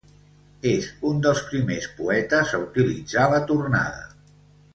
És un dels primers poetes a utilitzar la tornada.